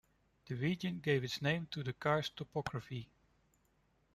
The region gave its name to the karst topography.